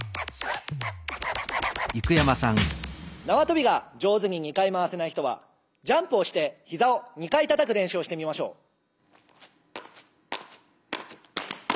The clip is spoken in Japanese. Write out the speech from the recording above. なわとびが上手に２回まわせない人はジャンプをしてひざを２回たたくれんしゅうをしてみましょう。